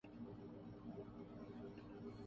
بصورت دیگریہ خطہ خاکم بدہن، مشرق وسطی بن جا ئے گا۔